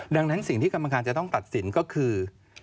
ดังนั้นสิ่งที่กรรมการจะต้องตัดสินก็คือ